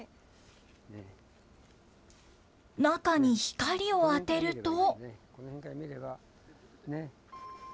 中に光を当てると。